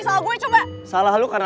kenapa jadi salah gue coba